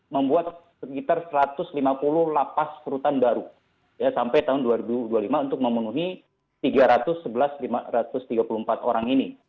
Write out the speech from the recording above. membuat sekitar satu ratus lima puluh lapas rutan baru sampai tahun dua ribu dua puluh lima untuk memenuhi tiga ratus sebelas lima ratus tiga puluh empat orang ini